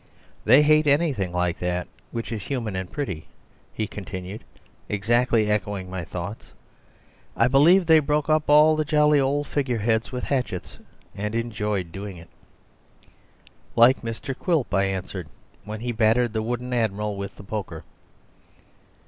"They hate anything like that, which is human and pretty," he continued, exactly echoing my thoughts. "I believe they broke up all the jolly old figureheads with hatchets and enjoyed doing it." "Like Mr. Quilp," I answered, "when he battered the wooden Admiral with the poker."